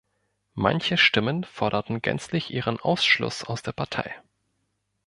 Manche Stimmen forderten gänzlich ihren Ausschluss aus der Partei.